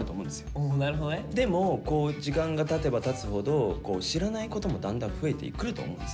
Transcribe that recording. でも時間がたてばたつほど知らないこともだんだん増えてくると思うんです。